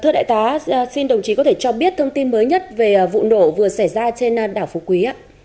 thưa đại tá xin đồng chí có thể cho biết thông tin mới nhất về vụ nổ vừa xảy ra trên đảo phú quý